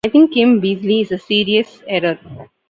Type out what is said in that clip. I think Kim Beazley is a serious error.